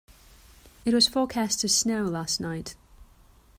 It was forecast to snow last night.